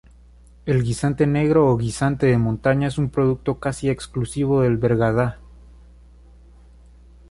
El guisante negro o guisante de montaña es un producto casi exclusivo del Bergadá.